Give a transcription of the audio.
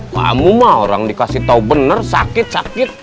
kamu mah orang dikasih tau bener sakit sakit